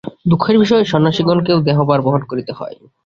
দুঃখের বিষয়, সন্ন্যাসিগণকেও দেহভার বহন করিতে হয়।